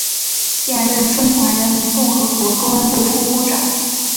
现任中华人民共和国公安部副部长。